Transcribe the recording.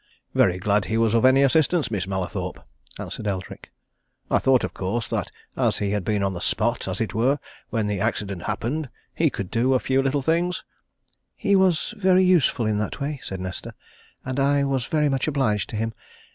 "Very glad he was of any assistance, Miss Mallathorpe," answered Eldrick. "I thought, of course, that as he had been on the spot, as it were, when the accident happened, he could do a few little things " "He was very useful in that way," said Nesta. "And I was very much obliged to him.